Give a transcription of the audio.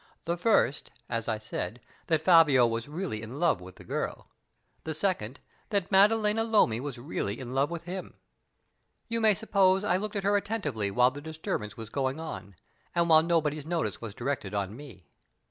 The first, as I said, that Fabio was really in love with the girl the second, that Maddalena Lomi was really in love with him. You may suppose I looked at her attentively while the disturbance was going on, and while nobody's notice was directed on me.